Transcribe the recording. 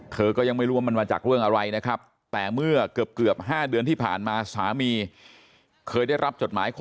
เธอก็ยังไม่รู้ว่ามันมาจากเรื่องอะไรนะครับ